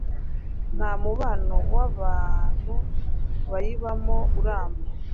Nta mubano w’abantu bayibamo uramba